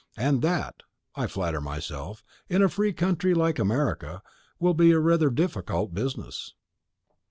And that, I flatter myself, in a free country like America, will be rather a difficult business."